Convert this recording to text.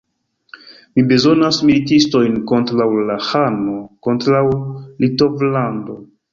Mi bezonas militistojn kontraŭ la ĥano, kontraŭ Litovlando.